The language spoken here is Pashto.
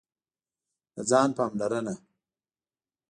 د ځان پاملرنه: